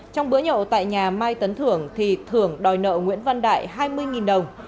trong bữa nhậu tại nhà mai tấn thưởng thì thưởng đòi nợ nguyễn văn đại hai mươi đồng